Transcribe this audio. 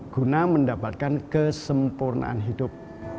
guna mendapatkan kesempurnaan hidup